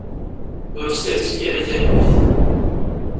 Ur t-terzi ara taluft.